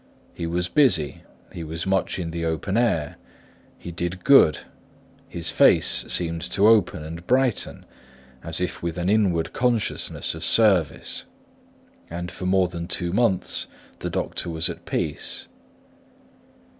He was busy, he was much in the open air, he did good; his face seemed to open and brighten, as if with an inward consciousness of service; and for more than two months, the doctor was at peace.